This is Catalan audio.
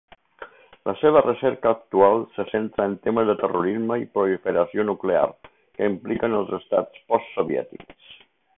La seva recerca actual se centra en temes de terrorisme i proliferació nuclears que impliquen els estats postsoviètics.